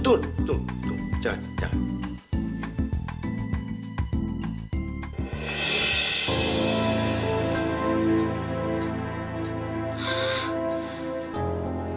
tuh tuh tuh jangan jangan